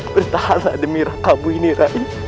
bertahanlah demi rakamu ini rai